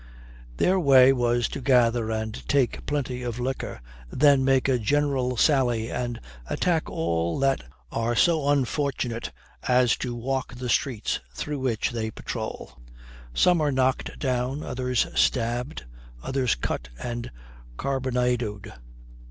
Their way was to gather and take plenty of liquor, "then make a general sally and attack all that are so unfortunate as to walk the streets through which they patrol. Some are knocked down, others stabbed, others cut and carbonadoed."